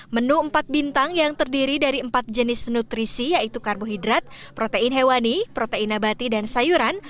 menu empat bintang yang terdiri dari empat jenis nutrisi yaitu karbohidrat protein hewani protein abati dan sayuran